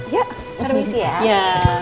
ya terima kasih ya